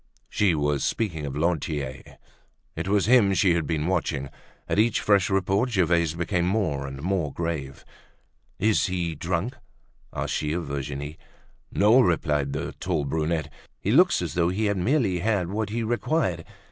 She was speaking of Lantier. It was him that she had been watching. At each fresh report Gervaise became more and more grave. "Is he drunk?" asked she of Virginie. "No," replied the tall brunette. "He looks as though he had merely had what he required.